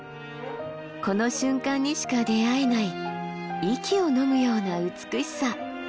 この瞬間にしか出会えない息をのむような美しさ。